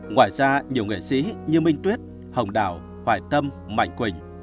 ngoài ra nhiều nghệ sĩ như minh tuyết hồng đào hoài tâm mạnh quỳnh